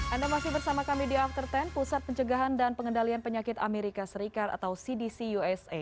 anda masih bersama kami di after sepuluh pusat pencegahan dan pengendalian penyakit amerika serikat atau cdc usa